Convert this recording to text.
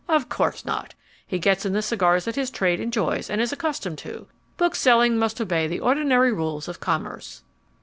Of course not. He gets in the cigars that his trade enjoys and is accustomed to. Bookselling must obey the ordinary rules of commerce.